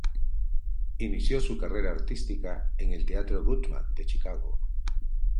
Inició su carrera artística en el Teatro Goodman de Chicago.